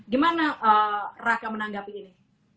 gimana raka menanggapi ini